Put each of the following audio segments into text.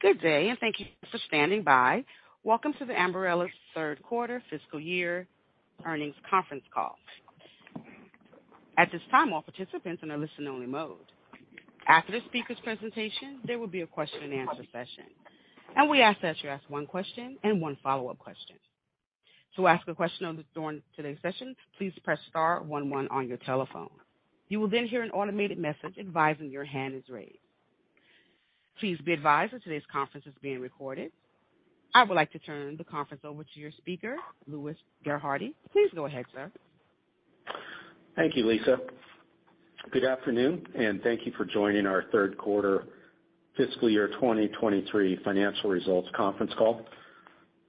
Good day, thank you for standing by. Welcome to the Ambarella's Q3 fiscal year earnings conference call. At this time, all participants are in a listen only mode. After the speaker's presentation, there will be a question-and-answer session, and we ask that you ask one question and one follow-up question. To ask a question during today's session, please press star one one on your telephone. You will then hear an automated message advising your hand is raised. Please be advised that today's conference is being recorded. I would like to turn the conference over to your speaker, Louis Gerhardy. Please go ahead, sir. Thank you, Lisa. Good afternoon, and thank you for joining our Q3 FY 2023 financial results conference call.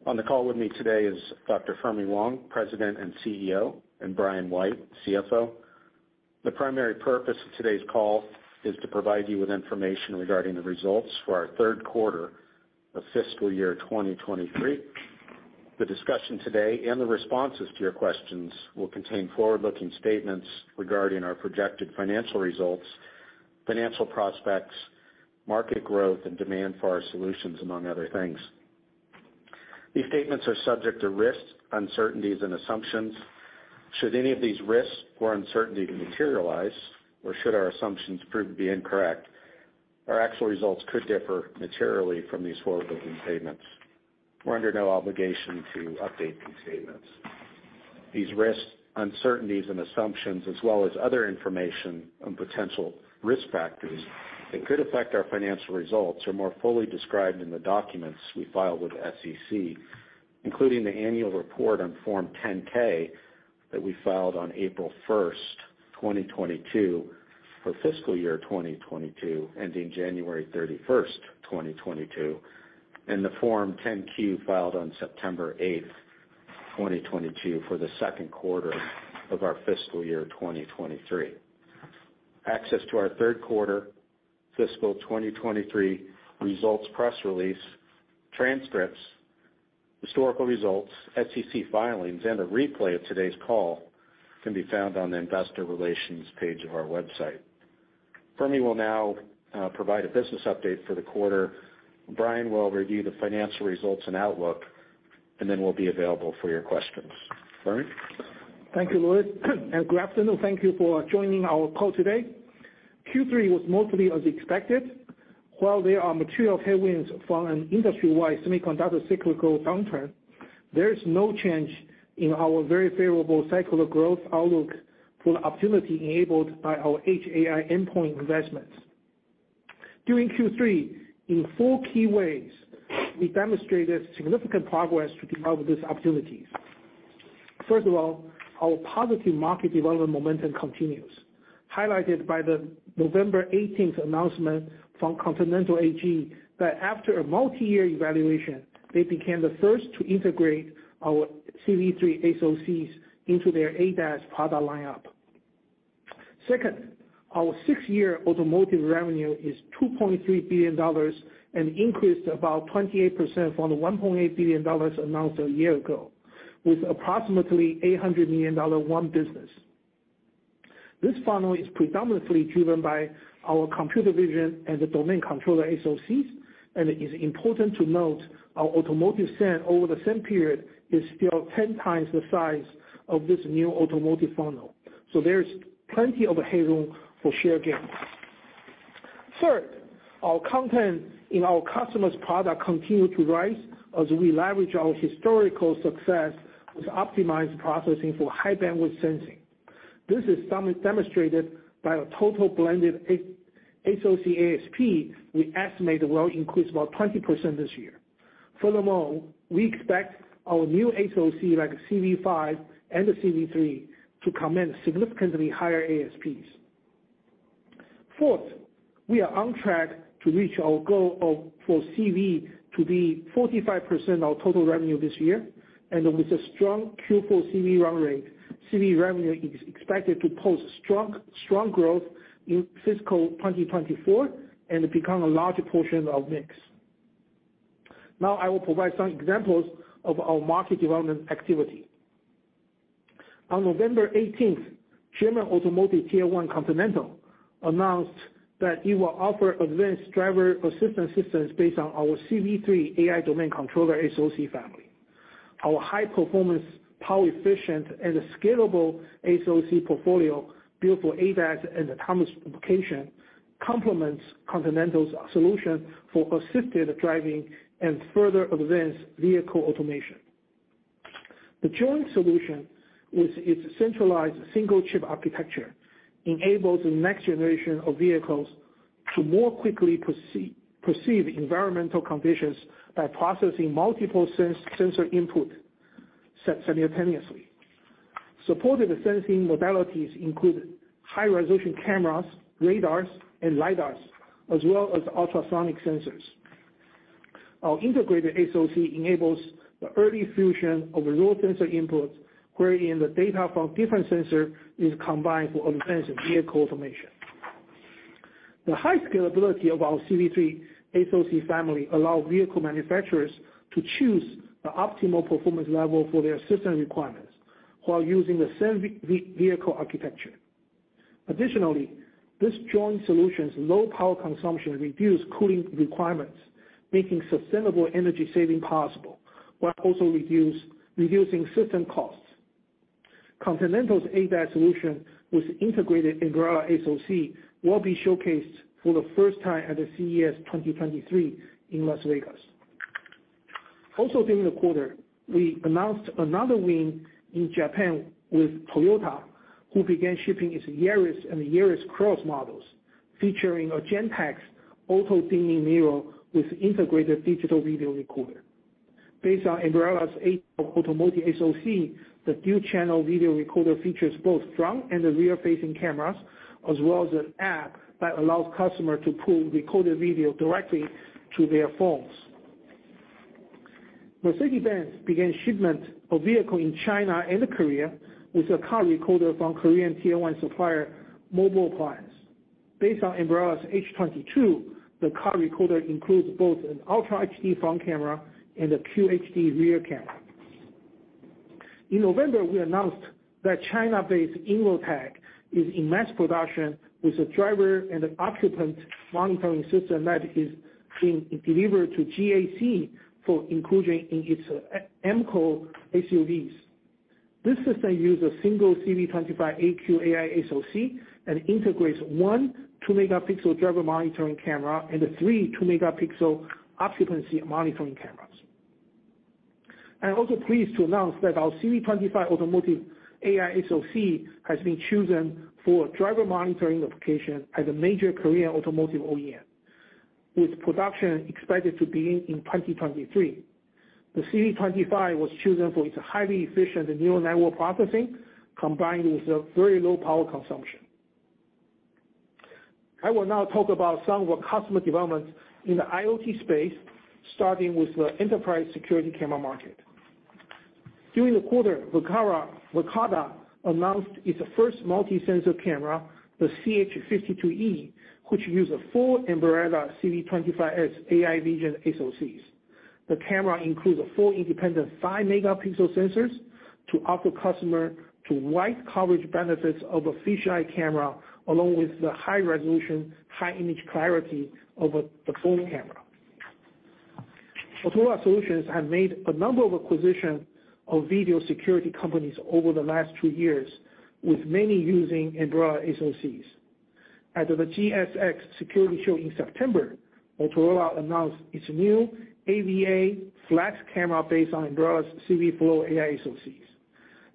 On the call with me today is Dr. Fermi Wang, President and CEO, and Brian White, CFO. The primary purpose of today's call is to provide you with information regarding the results for our Q3 of fiscal year 2023. The discussion today and the responses to your questions will contain forward-looking statements regarding our projected financial results, financial prospects, market growth, and demand for our solutions, among other things. These statements are subject to risks, uncertainties and assumptions. Should any of these risks or uncertainty materialize, or should our assumptions prove to be incorrect, our actual results could differ materially from these forward-looking statements. We're under no obligation to update these statements. These risks, uncertainties and assumptions, as well as other information on potential risk factors that could affect our financial results, are more fully described in the documents we filed with the SEC, including the annual report on Form 10-K that we filed on April 1, 2022 for FY 2022, ending January 31, 2022, and the Form 10-Q filed on September 8, 2022 for the Q2 of our FY 2023. Access to our Q3 FY 2023 results press release, transcripts, historical results, SEC filings, and a replay of today's call can be found on the investor relations page of our website. Fermi will now provide a business update for the quarter. Brian will review the financial results and outlook, and then we'll be available for your questions. Fermi? Thank you, Louis, good afternoon. Thank you for joining our call today. Q3 was mostly as expected. While there are material headwinds from an industry-wide semiconductor cyclical downturn, there is no change in our very favorable cyclical growth outlook for the opportunity enabled by our HAI endpoint investments. During Q3, in four key ways, we demonstrated significant progress to develop these opportunities. First of all, our positive market development momentum continues, highlighted by the November 18 announcement from Continental AG that after a multi-year evaluation, they became the first to integrate our CV3 SoCs into their ADAS product lineup. Second, our 6th year automotive revenue is $2.3 billion, an increase of about 28% from the $1.8 billion announced a year ago, with approximately $800 million won business. This funnel is predominantly driven by our computer vision and the domain controller SoCs. It is important to note our automotive set over the same period is still 10x the size of this new automotive funnel. There is plenty of headroom for share gains. Our content in our customers' product continued to rise as we leverage our historical success with optimized processing for high bandwidth sensing. This is demonstrated by a total blended SoC ASP we estimate will increase about 20% this year. We expect our new SoC, like CV5 and the CV3 to command significantly higher ASPs. We are on track to reach our goal for CV to be 45% of total revenue this year. With a strong Q4 CV run rate, CV revenue is expected to post strong growth in FY 2024 and become a larger portion of mix. Now I will provide some examples of our market development activity. On November 18, German automotive Tier 1 Continental announced that it will offer advanced driver assistance systems based on our CV3 AI domain controller SoC family. Our high performance, power efficient and scalable SoC portfolio built for ADAS and autonomous replication complements Continental's solution for assisted driving and further advanced vehicle automation. The joint solution with its centralized single chip architecture enables the next generation of vehicles to more quickly perceive environmental conditions by processing multiple sensor input simultaneously. Supported sensing modalities include high-resolution cameras, radars and lidars, as well as ultrasonic sensors. Our integrated SoC enables the early fusion of raw sensor inputs, wherein the data from different sensor is combined for advanced vehicle automation. The high scalability of our CV3 SoC family allow vehicle manufacturers to choose the optimal performance level for their system requirements while using the same vehicle architecture. Additionally, this joint solution's low power consumption reduces cooling requirements, making sustainable energy saving possible, while also reducing system costs. Continental's ADAS solution was integrated in Ambarella SoC will be showcased for the first time at the CES 2023 in Las Vegas. Also during the quarter, we announced another win in Japan with Toyota, who began shipping its Yaris and Yaris Cross models, featuring a Gentex auto-dimming mirror with integrated digital video recorder. Based on Ambarella's eight automotive SoC, the dual-channel video recorder features both front and the rear-facing cameras, as well as an app that allows customer to pull recorded video directly to their phones. Mercedes-Benz began shipment of vehicle in China and Korea with a car recorder from Korean tier one supplier Mobile Appliance Inc. Based on Ambarella's H22, the car recorder includes both an ultra HD front camera and a QHD rear camera. In November, we announced that China-based INTEC is in mass production with a driver and an occupant monitoring system that is being delivered to GAC for inclusion in its M-Class SUVs. This system uses single CV25AQ AI SoC and integrates one 2-megapixel driver monitoring camera and the three 2-megapixel occupancy monitoring cameras. I am also pleased to announce that our CV25 automotive AI SoC has been chosen for driver monitoring application at a major Korean automotive OEM, with production expected to begin in 2023. The CV25 was chosen for its highly efficient neural network processing, combined with very low power consumption. I will now talk about some of our customer developments in the IoT space, starting with the enterprise security camera market. During the quarter, Verkada announced its first multi-sensor camera, the CH52-E, which use a full Ambarella CV25S AI vision SoCs. The camera includes four independent 5-megapixel sensors to offer customer to wide coverage benefits of a fisheye camera, along with the high resolution, high image clarity of the full camera. Motorola Solutions have made a number of acquisition of video security companies over the last two years, with many using Ambarella SoCs. At the GSX Security Show in September, Motorola announced its new Ava Flex camera based on Ambarella's CVflow AI SoCs.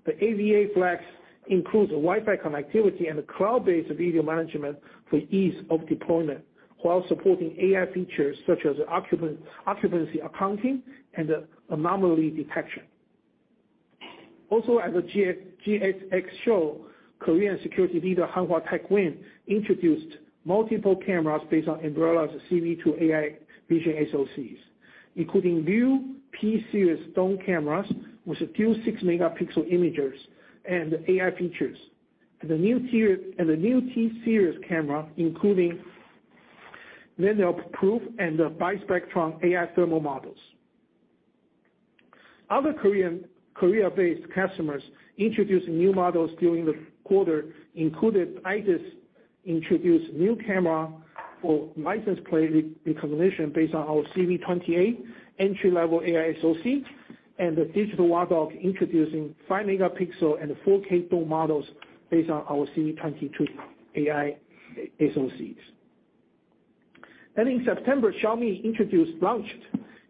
The Ava Flex includes Wi-Fi connectivity and cloud-based video management for ease of deployment, while supporting AI features such as occupant, occupancy accounting and anomaly detection. Also at the GSX show, Korean security leader Hanwha Techwin introduced multiple cameras based on Ambarella's CV2 AI vision SoCs, including new P-series dome cameras with a dual 6-megapixel imagers and AI features. A new T-series camera, including vandal-proof and bi-spectrum AI thermal models. Other Korea-based customers introducing new models during the quarter included IDIS introduced new camera for license plate re-recognition based on our CV28 entry-level AI SoC, and the Digital Watchdog introducing 5 megapixel and 4K dome models based on our CV22 AI SoCs. In September, Xiaomi launched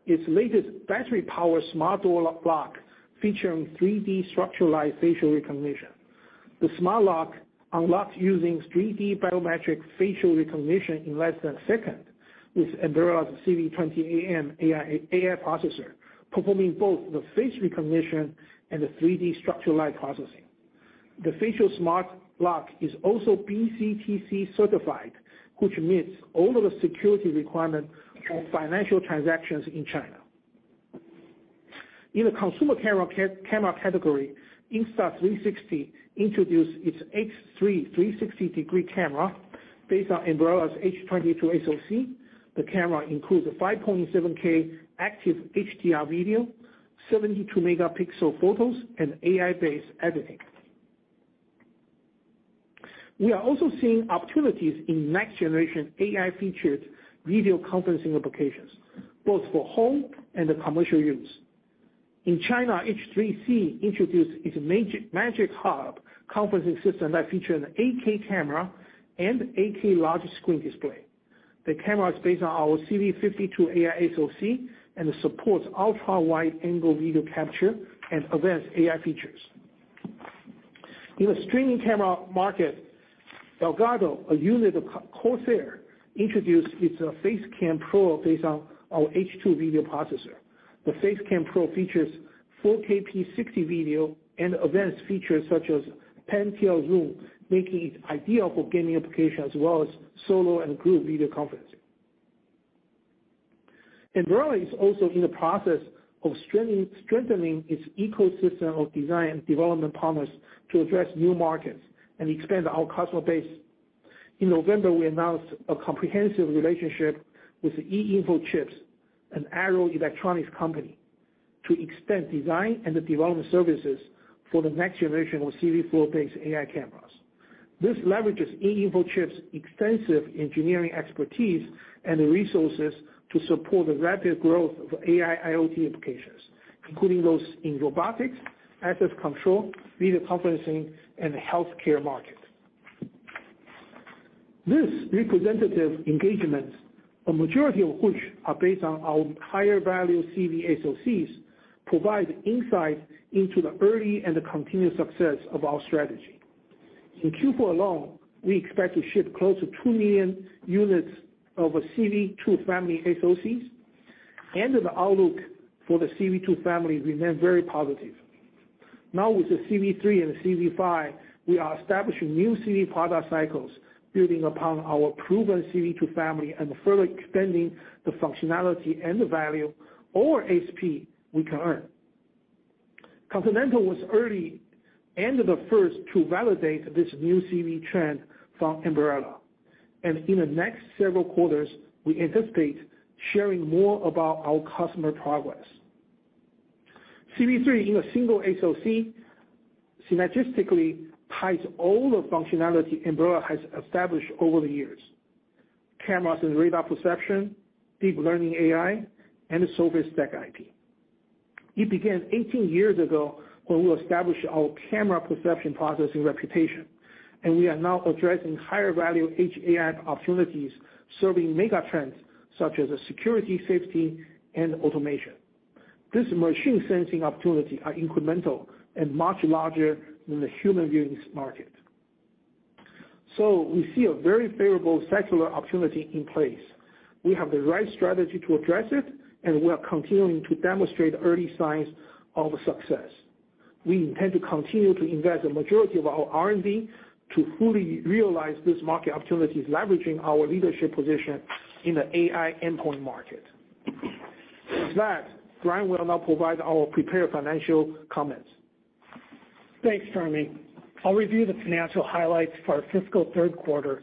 its latest battery-powered smart door lock featuring 3D structuralized facial recognition. The smart lock unlocks using 3D biometric facial recognition in less than a second, with Ambarella's CV2AM AI processor, performing both the face recognition and the 3D structural light processing. The facial smart lock is also BCTC certified, which meets all of the security requirements for financial transactions in China. In the consumer camera category, Insta360 introduced its X3 360-degree camera based on Ambarella's H22 SoC. The camera includes a 5.7K active HDR video, 72 megapixel photos, and AI-based editing. We are also seeing opportunities in next-generation AI-featured video conferencing applications, both for home and the commercial use. In China, H3C introduced its MagicHub conferencing system that feature an 8K camera and 8K large screen display. The camera is based on our CV52 AI SoC and it supports ultra wide angle video capture and advanced AI features. In the streaming camera market, Elgato, a unit of Corsair, introduced its Facecam Pro based on our H2 video processor. The Facecam Pro features 4K60 video and advanced features such as pan-tilt zoom, making it ideal for gaming applications as well as solo and group video conferencing. Ambarella is also in the process of strengthening its ecosystem of design development partners to address new markets and expand our customer base. In November, we announced a comprehensive relationship with eInfochips, an Arrow Electronics company, to extend design and the development services for the next generation of CV4-based AI cameras. This leverages eInfochips' extensive engineering expertise and the resources to support the rapid growth of AI IoT applications, including those in robotics, access control, video conferencing, and the healthcare market. This representative engagements, a majority of which are based on our higher value CV SoCs, provide insight into the early and the continued success of our strategy. In Q4 alone, we expect to ship close to 2 million units of a CV2 family SoCs, and the outlook for the CV2 family remains very positive. Now with the CV3 and the CV5, we are establishing new CV product cycles, building upon our proven CV2 family and further extending the functionality and the value or ASP we can earn. Continental was early and the first to validate this new CV trend from Ambarella. In the next several quarters, we anticipate sharing more about our customer progress. CV3 in a single SoC synergistically ties all the functionality Ambarella has established over the years: cameras and radar perception, deep learning AI, and the software stack IP. It began 18 years ago when we established our camera perception processing reputation. We are now addressing higher value HAI opportunities serving mega trends such as security, safety, and automation. This machine sensing opportunity are incremental and much larger than the human views market. We see a very favorable secular opportunity in place. We have the right strategy to address it, and we are continuing to demonstrate early signs of success. We intend to continue to invest the majority of our R&D to fully realize this market opportunities, leveraging our leadership position in the AI endpoint market. With that, Brian will now provide our prepared financial comments. Thanks, Fermi. I'll review the financial highlights for our fiscal Q3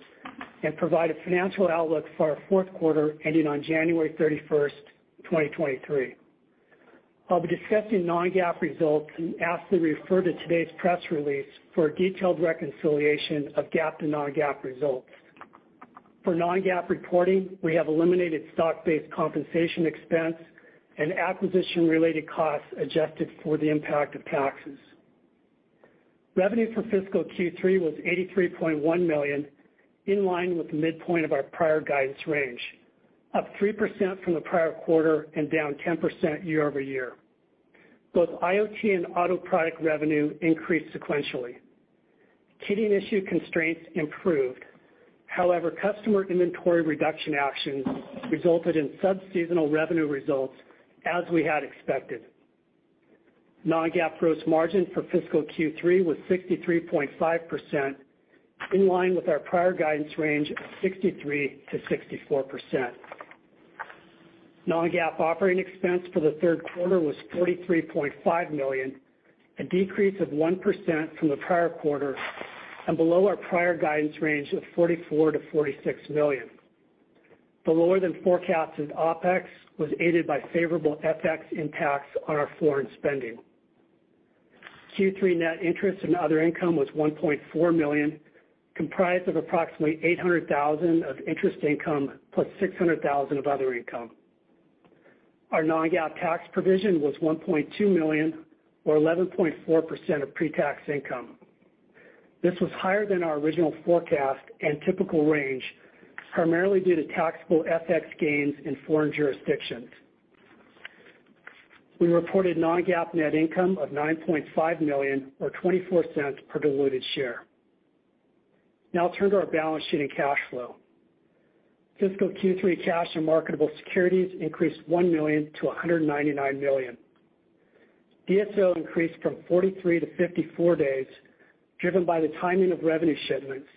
and provide a financial outlook for our fourth quarter ending on January 31st, 2023. I'll be discussing non-GAAP results and ask to refer to today's press release for a detailed reconciliation of GAAP to non-GAAP results. For non-GAAP reporting, we have eliminated stock-based compensation expense and acquisition-related costs adjusted for the impact of taxes. Revenue for fiscal Q3 was $83.1 million, in line with the midpoint of our prior guidance range, up 3% from the prior quarter and down 10% year-over-year. Both IoT and auto product revenue increased sequentially. Kitting issue constraints improved. Customer inventory reduction actions resulted in sub-seasonal revenue results as we had expected. Non-GAAP gross margin for fiscal Q3 was 63.5%, in line with our prior guidance range of 63%-64%. non-GAAP operating expense for the Q3 was $43.5 million, a decrease of 1% from the prior quarter and below our prior guidance range of $44 million-$46 million. The lower than forecasted OpEx was aided by favorable FX impacts on our foreign spending. Q3 net interest and other income was $1.4 million, comprised of approximately $800,000 of interest income $+600,000 of other income. Our non-GAAP tax provision was $1.2 million or 11.4% of pre-tax income. This was higher than our original forecast and typical range, primarily due to taxable FX gains in foreign jurisdictions. We reported non-GAAP net income of $9.5 million or $0.24 per diluted share. I'll turn to our balance sheet and cash flow. Fiscal Q3 cash and marketable securities increased $1 million-$199 million. DSO increased from 43 to 54 days, driven by the timing of revenue shipments,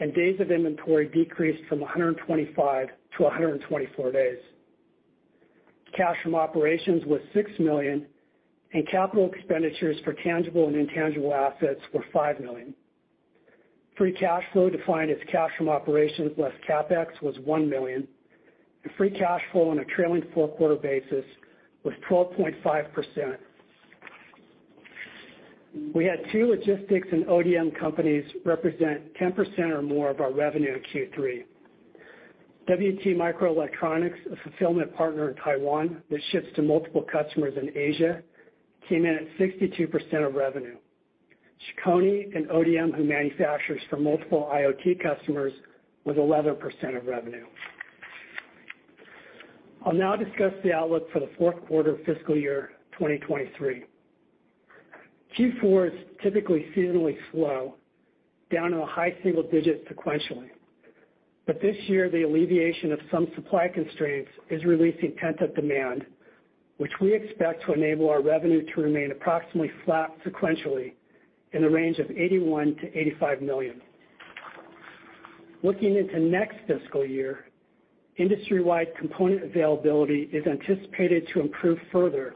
and days of inventory decreased from 125 days-124 days. Cash from operations was $6 million, and capital expenditures for tangible and intangible assets were $5 million. Free cash flow, defined as cash from operations plus CapEx, was $1 million, and free cash flow on a trailing four-quarter basis was 12.5%. We had two logistics and ODM companies represent 10% or more of our revenue in Q3. WT Microelectronics, a fulfillment partner in Taiwan that ships to multiple customers in Asia, came in at 62% of revenue. Chicony, an ODM who manufactures for multiple IoT customers, was 11% of revenue. I'll now discuss the outlook for the Q4 of FY 2023. Q4 is typically seasonally slow, down to a high single digit sequentially. This year, the alleviation of some supply constraints is releasing pent-up demand, which we expect to enable our revenue to remain approximately flat sequentially in the range of $81 million-$85 million. Looking into next fiscal year, industry-wide component availability is anticipated to improve further.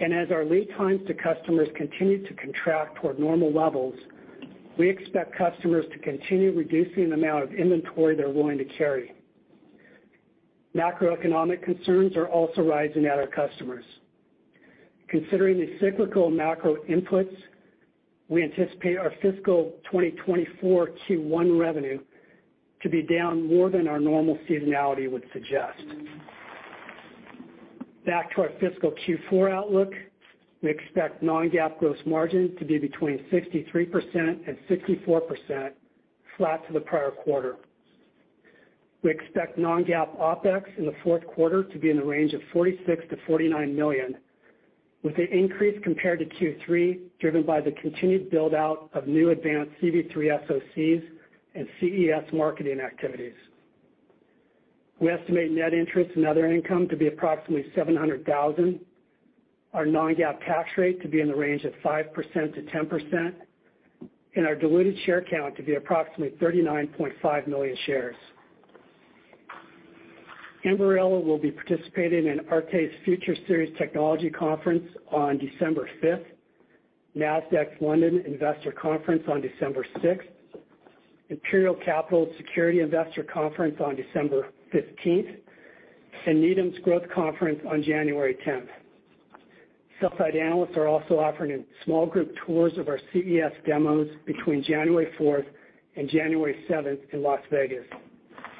As our lead times to customers continue to contract toward normal levels, we expect customers to continue reducing the amount of inventory they're willing to carry. Macroeconomic concerns are also rising at our customers. Considering the cyclical macro inputs, we anticipate our FY 2024 Q1 revenue to be down more than our normal seasonality would suggest. Back to our fiscal Q4 outlook. We expect non-GAAP gross margin to be between 63% and 64%, flat to the prior quarter. We expect non-GAAP OpEx in the Q4 to be in the range of $46 million-$49 million, with an increase compared to Q3, driven by the continued build-out of new advanced CV3 SoCs and CES marketing activities. We estimate net interest and other income to be approximately $700,000. Our non-GAAP tax rate to be in the range of 5%-10%. Our diluted share count to be approximately 39.5 million shares. Ambarella will be participating in ARK's Future Series Technology Conference on December 5, Nasdaq's London Investor Conference on December 6, Imperial Capital Security Investor Conference on December 15, and Needham's Growth Conference on January 10. Sell side analysts are also offering small group tours of our CES demos between January 4 and January 7 in Las Vegas.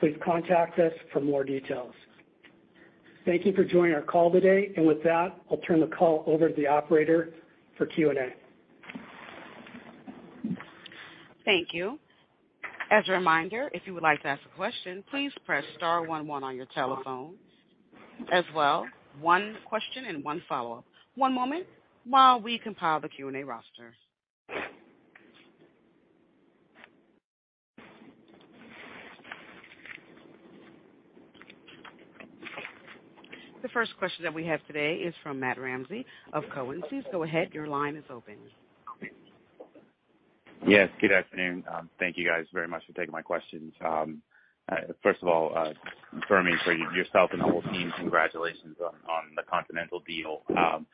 Please contact us for more details. Thank you for joining our call today. With that, I'll turn the call over to the operator for Q&A. Thank you. As a reminder, if you would like to ask a question, please press star one one on your telephone. As well, one question and one follow-up. One moment while we compile the Q&A roster. The first question that we have today is from Matthew Ramsay of Cowen. Please go ahead. Your line is open. Yes, good afternoon. Thank you guys very much for taking my questions. First of all, confirming for yourself and the whole team, congratulations on the Continental deal. I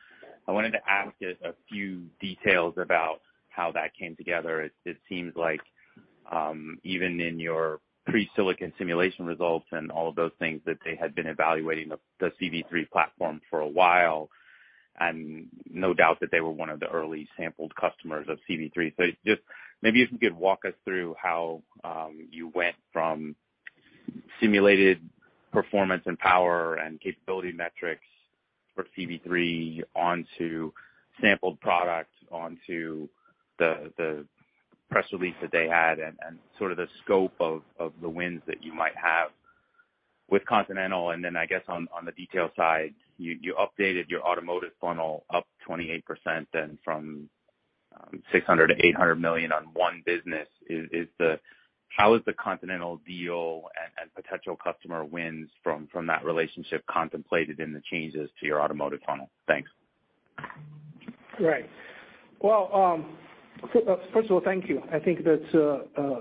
wanted to ask just a few details about how that came together. It seems like even in your pre-silicon simulation results and all of those things that they had been evaluating the CV3 platform for a while, and no doubt that they were one of the early sampled customers of CV3. Just maybe if you could walk us through how you went from simulated performance and power and capability metrics for CV3 onto sampled product, onto the press release that they had and sort of the scope of the wins that you might have with Continental? I guess on the detail side, you updated your automotive funnel up 28% and from $600 million-$800 million on one business. How is the Continental deal and potential customer wins from that relationship contemplated in the changes to your automotive funnel? Thanks. Right. Well, first of all, thank you. I think that's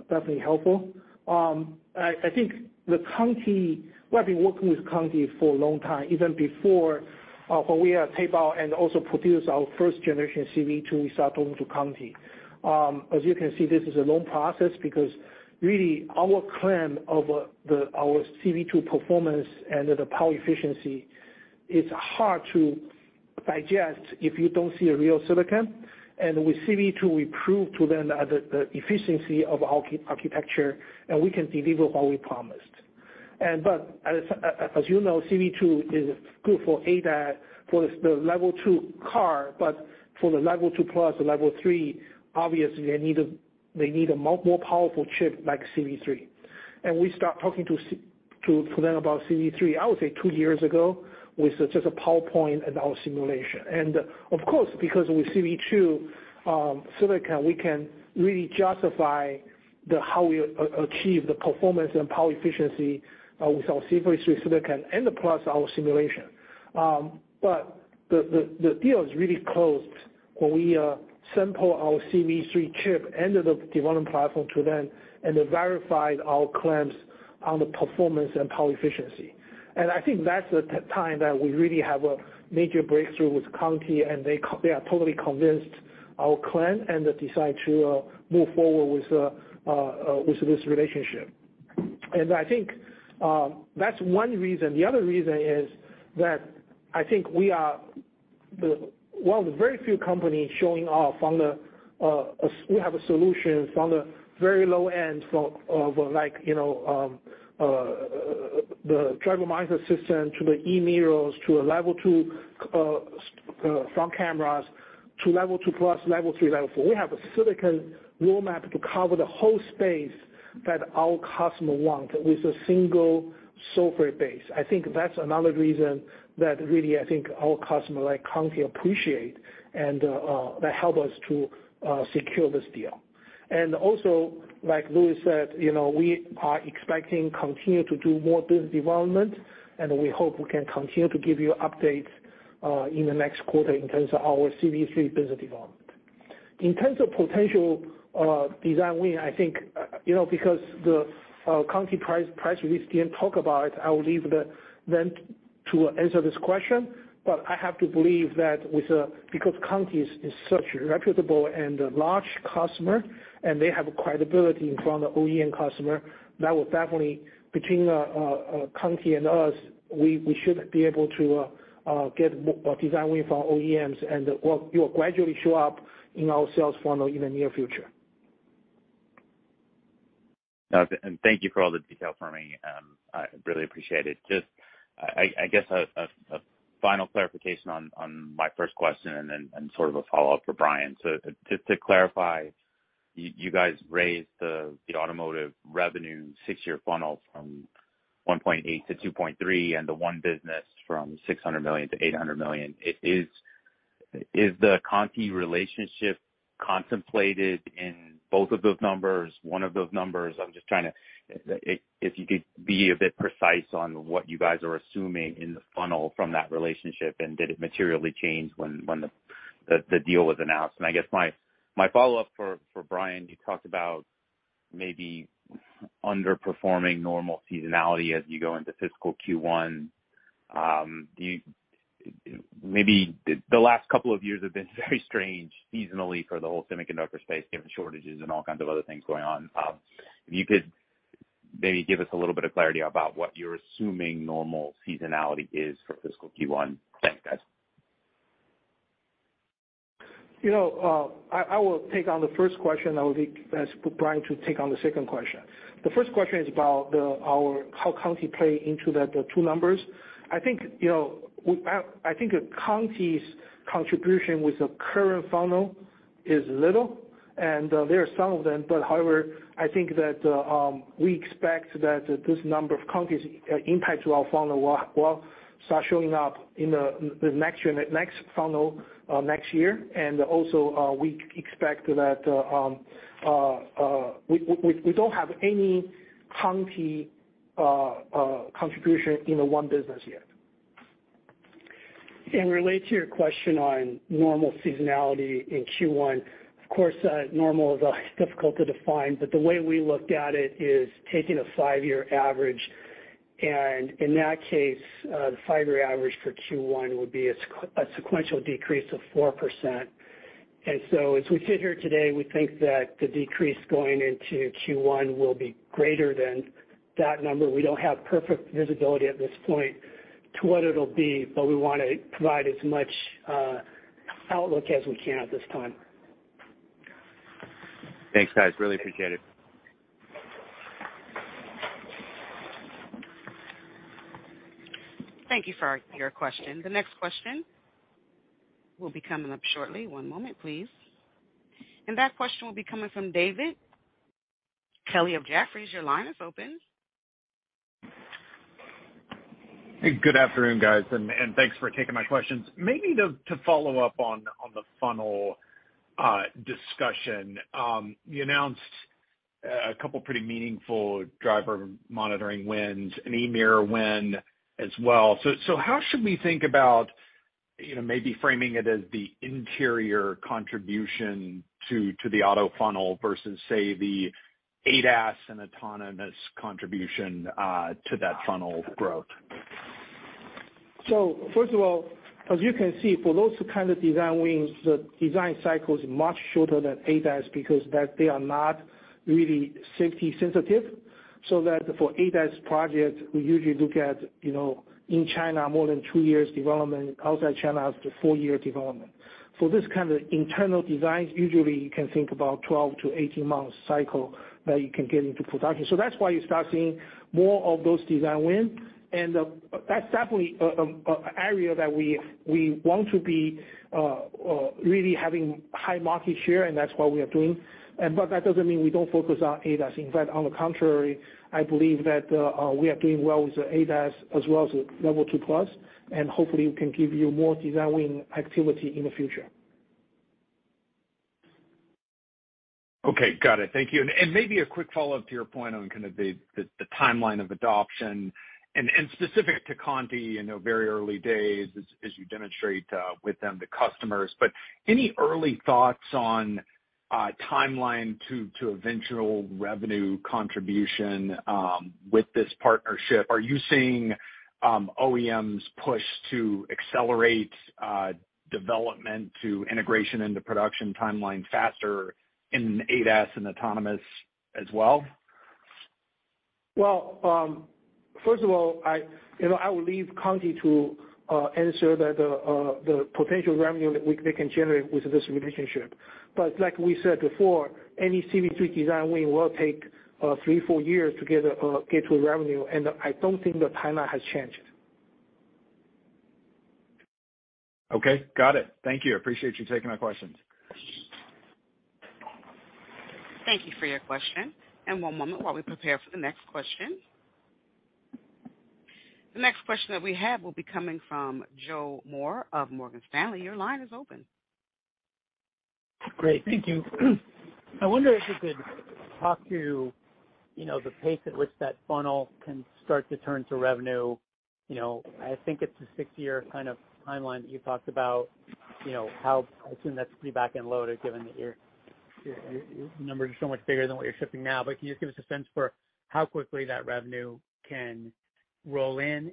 definitely helpful. I think the Continental, we have been working with Continental for a long time, even before when we tape out and also produce our first generation CV2, we start talking to Continental. As you can see, this is a long process because really our claim of our CV2 performance and the power efficiency, it's hard to digest if you don't see a real silicon. With CV2, we prove to them that the efficiency of architecture and we can deliver what we promised. As you know, CV2 is good for ADAS for the level II car, but for the level II+, level III, obviously they need a more powerful chip like CV3. We start talking to them about CV3, I would say 2 years ago, with just a PowerPoint and our simulation. Of course, because with CV2 silicon, we can really justify how we achieve the performance and power efficiency with our CV3 silicon and plus our simulation. But the deal is really closed when we sample our CV3 chip and the development platform to them, and they verified our claims on the performance and power efficiency. I think that's the time that we really have a major breakthrough with Continental, and they are totally convinced our claim and they decide to move forward with this relationship. I think that's one reason. The other reason is that I think we are the one of the very few companies showing off on the, we have a solution from the very low end for, like, you know, the driver minus system to the e-mirrors, to a level II, front cameras to level II+, level III, level IV. We have a silicon roadmap to cover the whole space that our customer want with a single software base. I think that's another reason that really, I think our customer like Continental appreciate and that help us to secure this deal. Also, like Louis said, you know, we are expecting continue to do more business development, and we hope we can continue to give you updates in the next quarter in terms of our CV3 business development. In terms of potential design win, I think, you know, because the Continental price we didn't talk about, I will leave them to answer this question. I have to believe that with because Continental is such a reputable and a large customer, and they have credibility in front of OEM customer, that will definitely, between Continental and us, we should be able to get or design win for OEMs and, or it will gradually show up in our sales funnel in the near future. Thank you for all the detail, Fermi. I really appreciate it. Just, I guess a final clarification on my first question and sort of a follow-up for Brian. Just to clarify, you guys raised the automotive revenue six-year funnel from $1.8 billion-$2.3 billion, and the one business from $600 million-$800 million. Is the Continental relationship contemplated in both of those numbers, one of those numbers? If you could be a bit precise on what you guys are assuming in the funnel from that relationship, and did it materially change when the deal was announced? I guess my follow-up for Brian, you talked about maybe underperforming normal seasonality as you go into fiscal Q1. Maybe the last couple of years have been very strange seasonally for the whole semiconductor space, given shortages and all kinds of other things going on. If you could maybe give us a little bit of clarity about what you're assuming normal seasonality is for fiscal Q1? Thanks, guys. You know, I will take on the first question. I will ask for Brian to take on the second question. The first question is about how Continental play into the two numbers. I think, you know, I think Continental's contribution with the current funnel is little, and there are some of them. However, I think that we expect that this number of Continental's impact to our funnel will start showing up in the next funnel next year. Also, we expect that we don't have any Continental contribution in the one business yet. Relate to your question on normal seasonality in Q1, of course, normal is always difficult to define, but the way we looked at it is taking a five-year average. In that case, the five-year average for Q1 would be a sequential decrease of 4%. As we sit here today, we think that the decrease going into Q1 will be greater than that number. We don't have perfect visibility at this point to what it'll be, but we want to provide as much outlook as we can at this time. Thanks, guys. Really appreciate it. Thank you for your question. The next question will be coming up shortly. One moment please. That question will be coming from David Kelley of Jefferies. Your line is open. Good afternoon, guys, and thanks for taking my questions. Maybe to follow up on the funnel discussion. You announced a couple pretty meaningful driver monitoring wins, an e-mirror win as well. How should we think about, you know, maybe framing it as the interior contribution to the auto funnel versus, say, the ADAS and autonomous contribution to that funnel growth? First of all, as you can see, for those kind of design wins, the design cycle is much shorter than ADAS because that they are not really safety sensitive. For ADAS projects, we usually look at, you know, in China, more than two years development, outside China, up to four-year development. For this kind of internal designs, usually you can think about 12 months-18 months cycle that you can get into production. That's why you start seeing more of those design wins. That's definitely area that we want to be really having high market share, and that's what we are doing. But that doesn't mean we don't focus on ADAS. In fact, on the contrary, I believe that, we are doing well with ADAS as well as level 2 plus, and hopefully we can give you more design win activity in the future. Okay. Got it. Thank you. Maybe a quick follow-up to your point on kind of the timeline of adoption and specific to Continental, you know, very early days as you demonstrate, with them to customers. Any early thoughts on timeline to eventual revenue contribution, with this partnership? Are you seeing OEMs push to accelerate development to integration into production timeline faster in ADAS and autonomous as well? First of all, I, you know, I will leave Continental to answer the potential revenue that we, they can generate with this relationship. Like we said before, any CV3 design win will take three years, four years to get to revenue, and I don't think the timeline has changed. Okay. Got it. Thank you. I appreciate you taking my questions. Thank you for your question. One moment while we prepare for the next question. The next question that we have will be coming from Joseph Moore of Morgan Stanley. Your line is open. Great. Thank you. I wonder if you could talk to, you know, the pace at which that funnel can start to turn to revenue. I think it's a six-year kind of timeline that you talked about. I assume that's pretty back-end loaded given that your numbers are so much bigger than what you're shipping now. Can you just give us a sense for how quickly that revenue can roll in?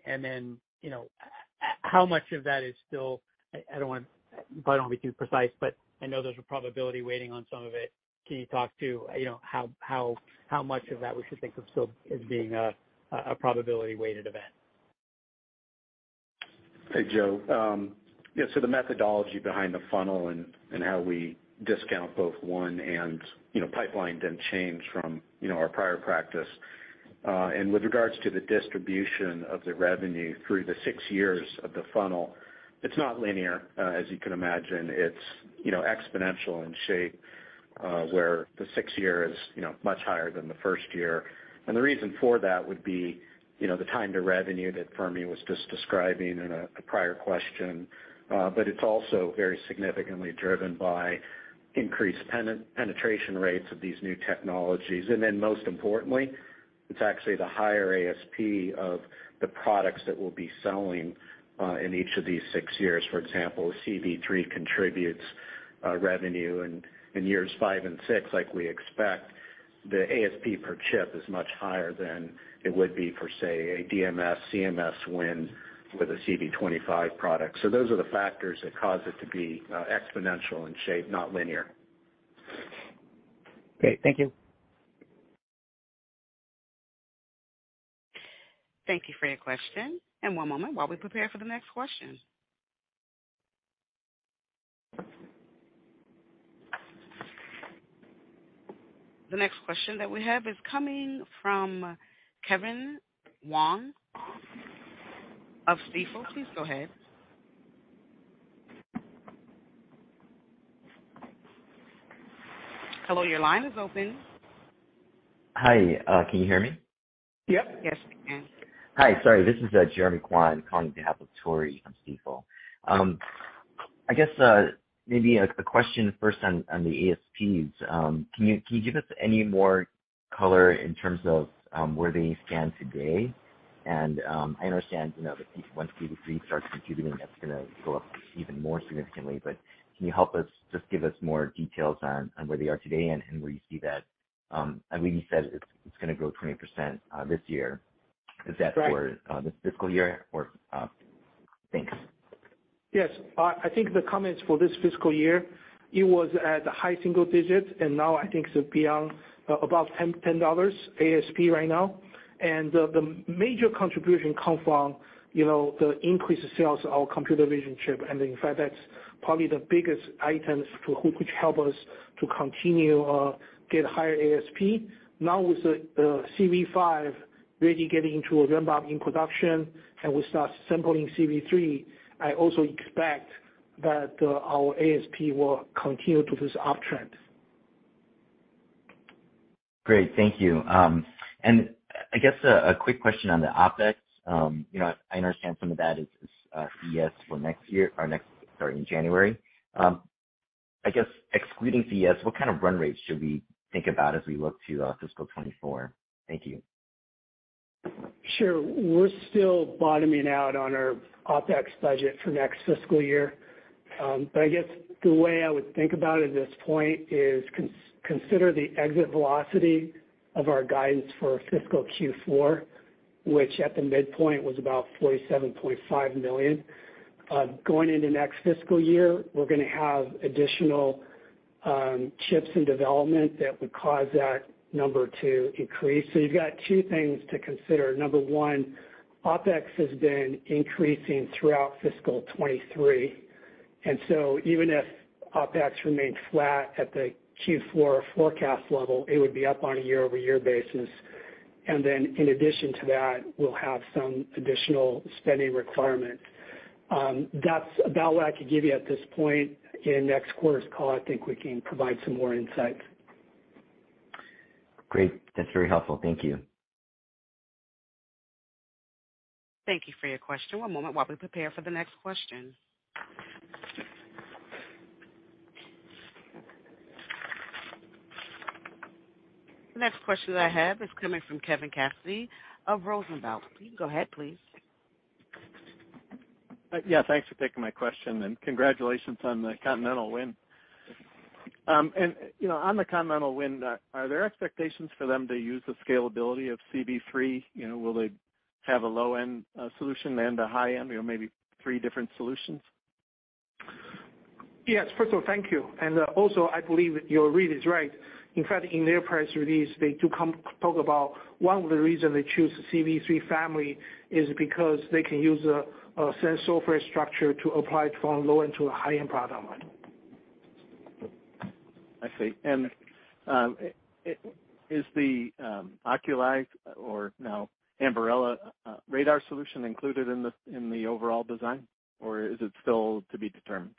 How much of that is still... I don't want by all means be precise, but I know there's a probability weighting on some of it. Can you talk to, you know, how much of that we should think of still as being a probability weighted event? Hey, Joseph. Yeah, the methodology behind the funnel and how we discount both one and, you know, pipeline didn't change from, you know, our prior practice. With regards to the distribution of the revenue through the six years of the funnel, it's not linear. As you can imagine, it's, you know, exponential in shape, where the sixth year is, you know, much higher than the 1st year. The reason for that would be, you know, the time to revenue that Fermi was just describing in a prior question. It's also very significantly driven by increased penetration rates of these new technologies. Most importantly, it's actually the higher ASP of the products that we'll be selling in each of these six years. For example, CV3 contributes revenue in years five and year six, like we expect. The ASP per chip is much higher than it would be for, say, a DMS, CMS win with a CV25 product. Those are the factors that cause it to be exponential in shape, not linear. Great. Thank you. Thank you for your question. One moment while we prepare for the next question. The next question that we have is coming from Ken Wong of Stifel. Please go ahead. Hello, your line is open. Hi, can you hear me? Yep. Yes, we can. Hi, sorry, this is Jeremy Kwan calling on behalf of Tore of Stifel. I guess, maybe a question first on the ASPs. Can you give us any more color in terms of where they stand today? I understand, you know, that once CV3 starts contributing, that's gonna go up even more significantly. Can you help us just give us more details on where they are today and where you see that, I believe you said it's gonna grow 20% this year. Right. Is that for this fiscal year or? Thanks. Yes. I think the comment is for this fiscal year, it was at high single digits, and now I think it's beyond about $10 ASP right now. The major contribution come from, you know, the increased sales of our computer vision chip. In fact, that's probably the biggest items which help us to continue get higher ASP. Now with the CV5 really getting into a ramp-up in production and we start sampling CV3, I also expect that our ASP will continue to this uptrend. Great. Thank you. I guess a quick question on the OpEx. You know, I understand some of that is CES for next year or starting January. I guess excluding CES, what kind of run rate should we think about as we look to FY 2024? Thank you. Sure. We're still bottoming out on our OpEx budget for next fiscal year. I guess the way I would think about it at this point is consider the exit velocity of our guidance for fiscal Q4, which at the midpoint was about $47.5 million. Going into next fiscal year, we're gonna have additional chips in development that would cause that number to increase. You've got two things to consider. Number one, OpEx has been increasing throughout FY 2023, Even if OpEx remained flat at the Q4 forecast level, it would be up on a year-over-year basis. In addition to that, we'll have some additional spending requirements. That's about what I could give you at this point. In next quarter's call, I think we can provide some more insight. Great. That's very helpful. Thank you. Thank you for your question. One moment while we prepare for the next question. The next question that I have is coming from Kevin Cassidy of Rosenblatt. You can go ahead, please. Yeah, thanks for taking my question, and congratulations on the Continental win. You know, on the Continental win, are there expectations for them to use the scalability of CV3? You know, will they have a low-end solution and a high-end, you know, maybe three different solutions? Yes. First of all, thank you. Also, I believe your read is right. In fact, in their press release, they do come talk about one of the reason they choose the CV3 family is because they can use a same software structure to apply it from low-end to a high-end product line. I see. Is the Oculii or now Ambarella radar solution included in the overall design, or is it still to be determined?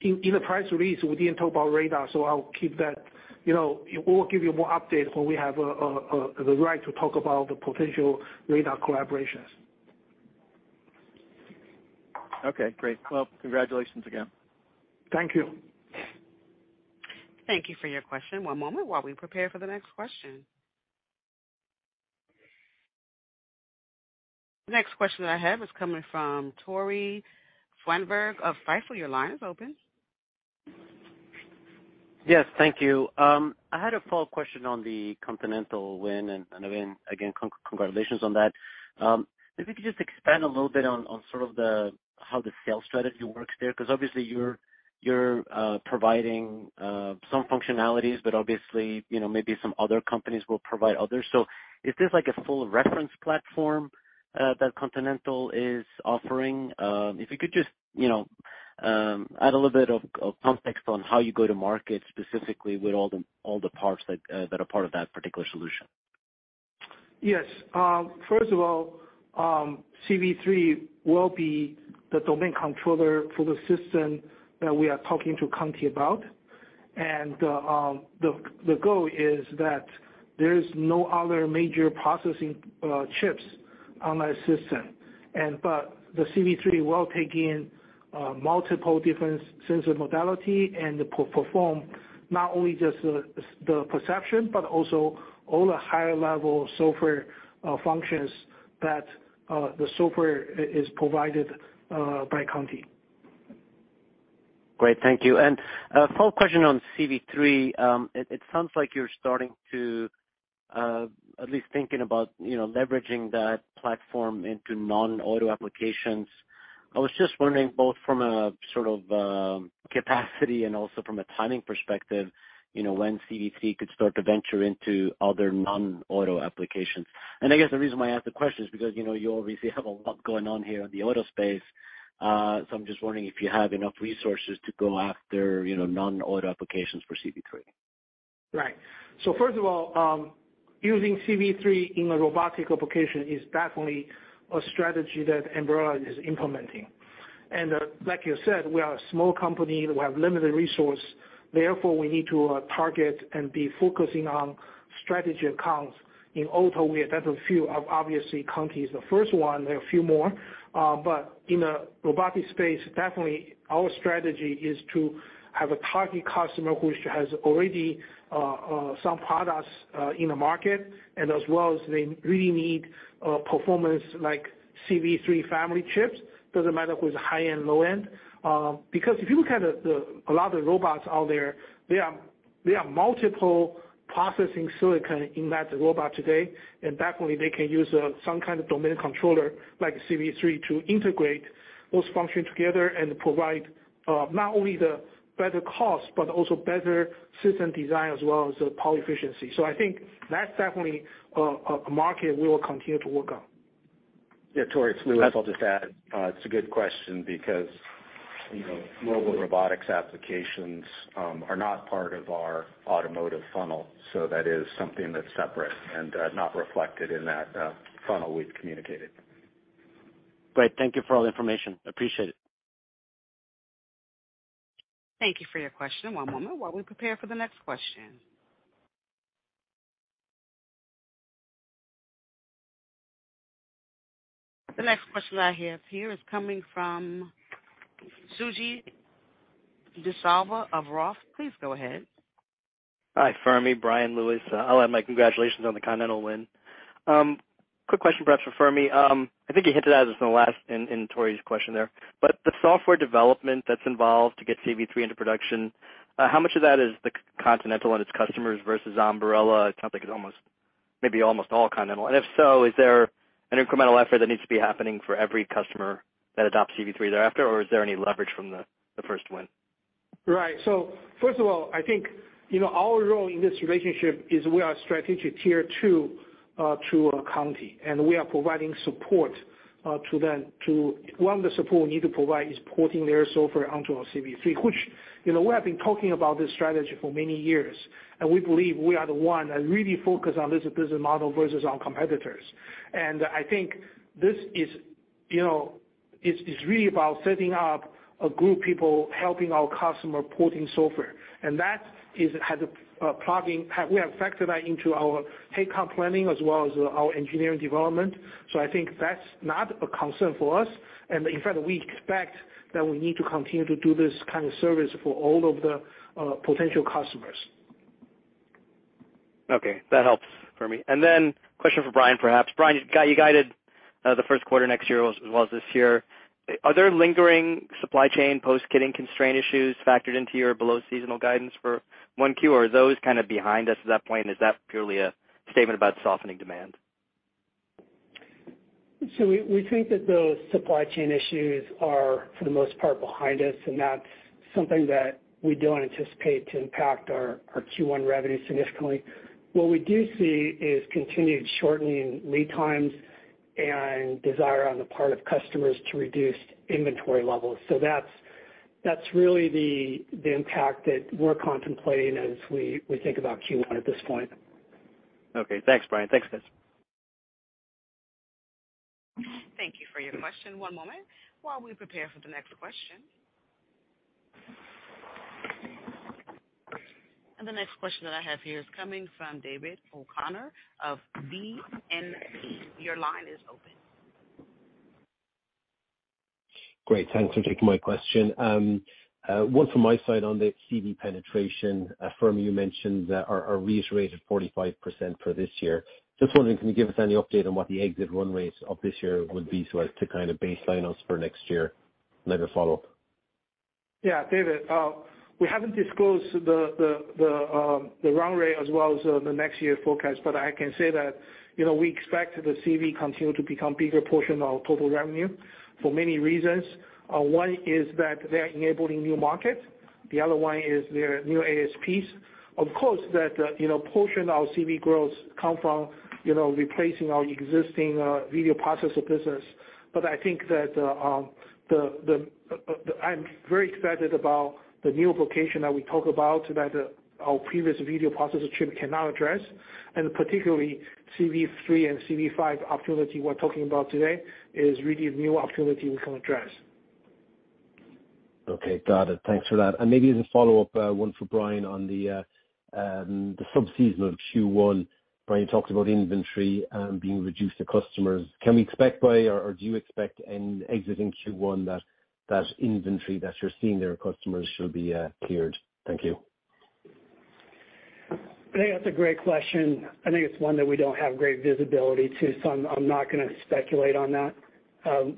In the press release, we didn't talk about radar, so I'll keep that. You know, we'll give you more update when we have the right to talk about the potential radar collaborations. Okay, great. Well, congratulations again. Thank you. Thank you for your question. One moment while we prepare for the next question. The next question I have is coming from Tore Svanberg of Stifel. Your line is open. Yes, thank you. I had a follow question on the Continental win and again, congratulations on that. If you could just expand a little bit on sort of the, how the sales strategy works there, 'cause obviously you're providing some functionalities, but obviously, you know, maybe some other companies will provide others. Is this like a full reference platform that Continental is offering? If you could just, you know, add a little bit of context on how you go to market specifically with all the parts that are part of that particular solution. Yes. first of all, CV3 will be the domain controller for the system that we are talking to Continental about. The goal is that there is no other major processing chips on that system. The CV3 will take in multiple different sensor modality and perform not only just the perception but also all the higher level software functions that the software is provided by Continental. Great. Thank you. A follow question on CV3. It sounds like you're starting to at least thinking about, you know, leveraging that platform into non-auto applications. I was just wondering both from a sort of capacity and also from a timing perspective, you know, when CV3 could start to venture into other non-auto applications. I guess the reason why I ask the question is because, you know, you obviously have a lot going on here in the auto space. I'm just wondering if you have enough resources to go after, you know, non-auto applications for CV3. Right. First of all, using CV3 in a robotic application is definitely a strategy that Ambarella is implementing. Like you said, we are a small company. We have limited resource. Therefore, we need to target and be focusing on strategy accounts. In auto, we have done obviously, Conti is the first one. There are a few more. In a robotic space, definitely our strategy is to have a target customer who has already some products in the market and as well as they really need performance like CV3 family chips. Doesn't matter if it's high-end, low-end. Because if you look at a lot of the robots out there are multiple processing silicon in that robot today, definitely they can use some kind of domain controller like CV3 to integrate those functions together and provide not only the better cost, but also better system design as well as the power efficiency. I think that's definitely a market we will continue to work on. Yeah, Tore, it's Louis. I'll just add, it's a good question because, you know, mobile robotics applications, are not part of our automotive funnel. That is something that's separate and not reflected in that funnel we've communicated. Great. Thank you for all the information. Appreciate it. Thank you for your question. One moment while we prepare for the next question. The next question I have here is coming from Suji Desilva of Roth. Please go ahead. Hi, Fermi, Brian Lewis. I'll add my congratulations on the Continental win. Quick question perhaps for Fermi. I think you hinted at this in Tore's question there. The software development that's involved to get CV3 into production, how much of that is the Continental and its customers versus Ambarella? It sounds like it's almost all Continental. If so, is there an incremental effort that needs to be happening for every customer that adopts CV3 thereafter, or is there any leverage from the first win? Right. First of all, I think, you know, our role in this relationship is we are strategic Tier 2 to Continental, and we are providing support to them. One of the support we need to provide is porting their software onto our CV3, which, you know, we have been talking about this strategy for many years. We believe we are the one that really focus on this business model versus our competitors. I think this is, you know, it's really about setting up a group of people helping our customer porting software. That is, has a plug-in. We have factored that into our head count planning as well as our engineering development. I think that's not a concern for us. In fact, we expect that we need to continue to do this kind of service for all of the potential customers. Okay. That helps, Fermi. Question for Brian, perhaps. Brian, you guided the first quarter next year as well as this year. Are there lingering supply chain post-kitting constraint issues factored into your below seasonal guidance for Q1? Are those kind of behind us at that point? Is that purely a statement about softening demand? We think that those supply chain issues are, for the most part, behind us, and that's something that we don't anticipate to impact our Q1 revenue significantly. What we do see is continued shortening lead times and desire on the part of customers to reduce inventory levels. That's really the impact that we're contemplating as we think about Q1 at this point. Okay. Thanks, Brian. Thanks, guys. Thank you for your question. One moment while we prepare for the next question. The next question that I have here is coming from David O'Connor of BNP Paribas. Your line is open. Great. Thanks for taking my question. One from my side on the CV penetration. Fermi Wang, you mentioned that our reiterate of 45% for this year. Just wondering, can you give us any update on what the exit run rates of this year would be so as to kind of baseline us for next year? Another follow-up. Yeah. David, we haven't disclosed the run rate as well as the next year forecast. I can say that, you know, we expect the CV continue to become bigger portion of total revenue for many reasons. One is that they're enabling new markets. The other one is their new ASPs. Of course, that, you know, portion of CV growth come from, you know, replacing our existing video processor business. I think that I'm very excited about the new application that we talk about that our previous video processor chip cannot address, and particularly CV3 and CV5 opportunity we're talking about today is really a new opportunity we can address. Okay. Got it. Thanks for that. Maybe as a follow-up, one for Brian on the sub-seasonal Q1. Brian talked about inventory, being reduced to customers. Can we expect by or do you expect in exiting Q1 that that inventory that you're seeing there customers should be cleared? Thank you. I think that's a great question. I think it's one that we don't have great visibility to, so I'm not gonna speculate on that.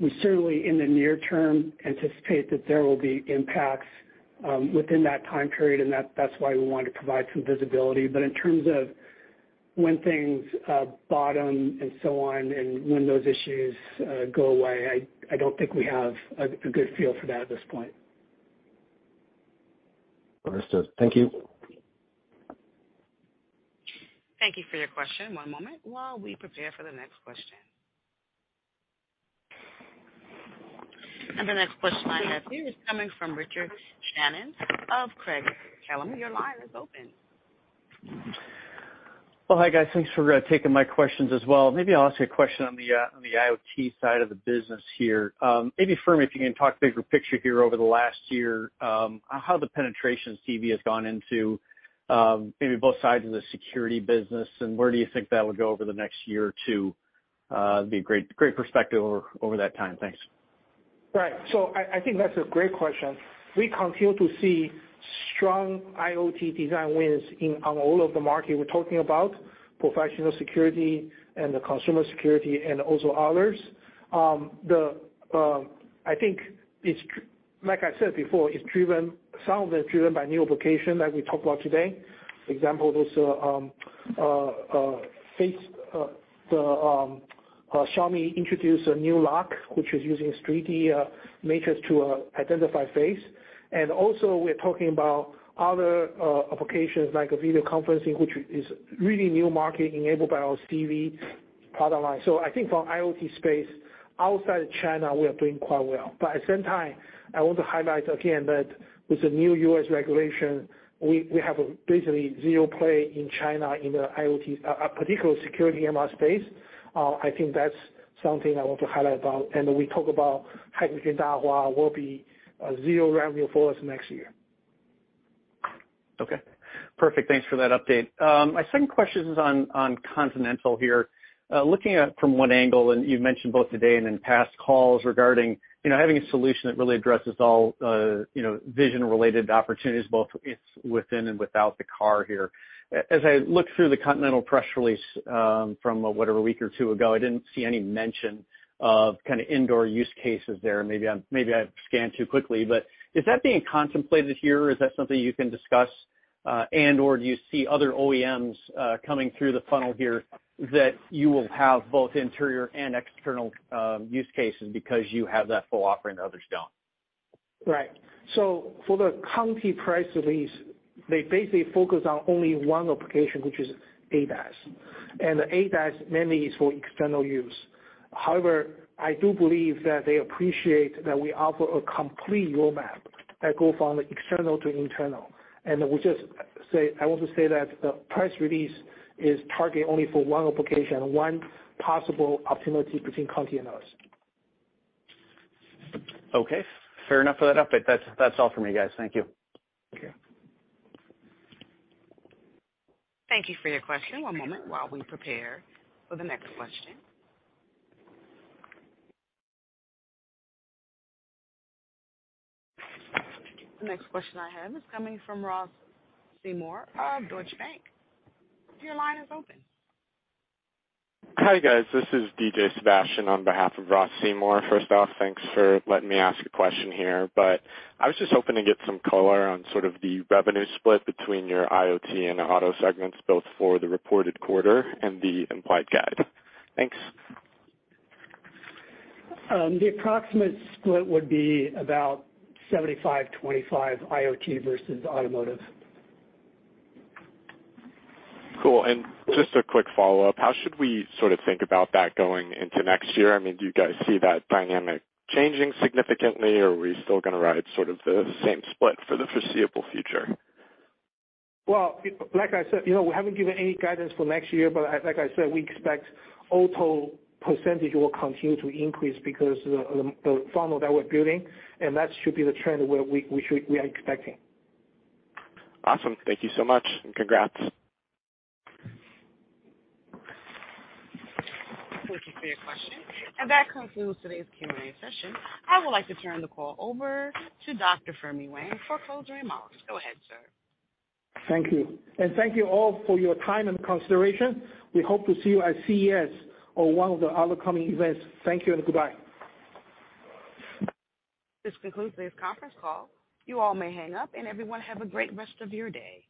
We certainly in the near term, anticipate that there will be impacts, within that time period, and that's why we want to provide some visibility. In terms of when things bottom and so on and when those issues go away, I don't think we have a good feel for that at this point. Understood. Thank you. Thank you for your question. One moment while we prepare for the next question. The next question I have here is coming from Richard Shannon of Craig-Hallum. Your line is open. Well, hi, guys. Thanks for taking my questions as well. Maybe I'll ask you a question on the IoT side of the business here. Maybe Fermi, if you can talk bigger picture here over the last year, how the penetration CV has gone into maybe both sides of the security business, and where do you think that will go over the next year or two? It'd be a great perspective over that time. Thanks. Right. I think that's a great question. We continue to see strong IoT design wins on all of the market we're talking about, professional security and the consumer security and also others. I think like I said before, some of it is driven by new application that we talked about today. For example, this face, the Xiaomi introduced a new lock, which is using 3D matrix to identify face. Also, we're talking about other applications like video conferencing, which is really new market enabled by our CV product line. I think for IoT space, outside of China, we are doing quite well. At the same time, I want to highlight again that with the new U.S. regulation, we have basically zero play in China in the IoT, particular security MR space. I think that's something I want to highlight about. We talk about Hikvision Dahua will be zero revenue for us next year. Okay. Perfect. Thanks for that update. My second question is on Continental here. Looking at from one angle, and you've mentioned both today and in past calls regarding, you know, having a solution that really addresses all, you know, vision related opportunities, both it's within and without the car here. As I look through the Continental press release, from whatever, a week or two weeks ago, I didn't see any mention of kinda indoor use cases there. Maybe I scanned too quickly, but is that being contemplated here, or is that something you can discuss, and/or do you see other OEMs coming through the funnel here that you will have both interior and external use cases because you have that full offering others don't? Right. For the Continental press release, they basically focus on only one application, which is ADAS. ADAS mainly is for external use. However, I do believe that they appreciate that we offer a complete roadmap that goes from external to internal. I want to say that the press release is targeted only for one application, one possible opportunity between Continental and us. Okay. Fair enough for that update. That's all for me, guys. Thank you. Thank you. Thank you for your question. One moment while we prepare for the next question. The next question I have is coming from Ross Seymore of Deutsche Bank. Your line is open. Hi, guys. This is V J Sebastian on behalf of Ross Seymore. First off, thanks for letting me ask a question here, I was just hoping to get some color on sort of the revenue split between your IoT and auto segments, both for the reported quarter and the implied guide. Thanks. The approximate split would be about 75/25, IoT versus automotive. Cool. Just a quick follow-up. How should we sort of think about that going into next year? I mean, do you guys see that dynamic changing significantly, or are we still going to ride sort of the same split for the foreseeable future? Well, like I said, you know, we haven't given any guidance for next year. Like I said, we expect auto percentage will continue to increase because the funnel that we're building. That should be the trend where we are expecting. Awesome. Thank you so much and congrats. Thank you for your question. That concludes today's Q&A session. I would like to turn the call over to Dr. Fermi Wang for closing remarks. Go ahead, sir. Thank you. Thank you all for your time and consideration. We hope to see you at CES or one of the other coming events. Thank you and goodbye. This concludes today's conference call. You all may hang up and everyone have a great rest of your day.